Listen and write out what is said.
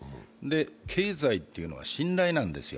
経済っていうのは信頼なんですよ。